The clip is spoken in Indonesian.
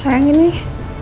saya mau ke rumah